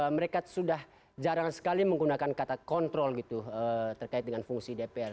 mereka sudah jarang sekali menggunakan kata kontrol gitu terkait dengan fungsi dpr